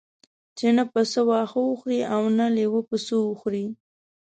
چې نه پسه واښه وخوري او نه لېوه پسه وخوري.